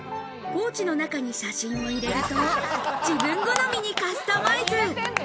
ポーチの中に写真を入れると、自分好みにカスタマイズ。